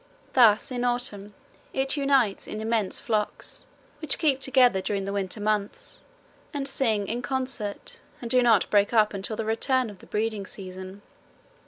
Thus, in autumn it unites in immense flocks, which keep together during the winter months and sing in concert and do not break up until the return of the breeding season.